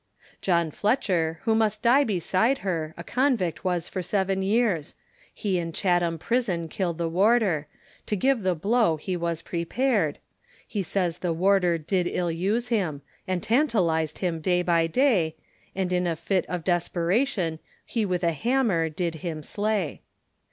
John Fletcher who must die beside her, A convict was for seven years, He in Chatham prison killed the warder, To give the blow he was prepared, He says the warder did illuse him, And tantalized him day by day, And in a fit of desperation, He with a hammer did him slay.